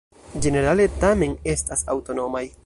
Ĝenerale tamen estas aŭtonomaj.